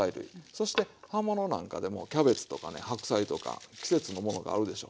そして葉ものなんかでもキャベツとかね白菜とか季節のものがあるでしょ。